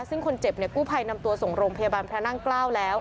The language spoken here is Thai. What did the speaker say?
ซึ่งคนเจ็บเนี่ยกู้ภัยนำตัวส่งโรงพยาบาลพระนั่งเกล้าแล้ว